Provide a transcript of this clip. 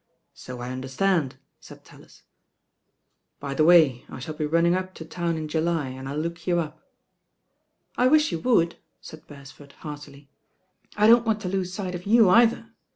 So I understand," said TaUis. "By the way, I •haU^bc runmng up to town in July, and I'll look "I wish you would," said Beresford heartily "I don t want to lose sight of you either.